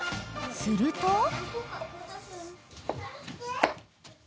［すると］